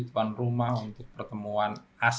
tuan rumah untuk pertemuan